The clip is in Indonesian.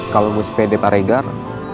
kalau gue sepede pak reger